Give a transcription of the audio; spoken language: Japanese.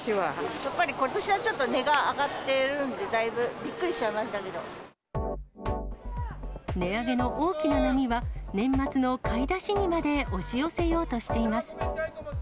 やっぱり、ことしはちょっと値が上がっているんで、だいぶ、びっくりしちゃ値上げの大きな波は、年末の買い出しにまで押し寄せようとしています。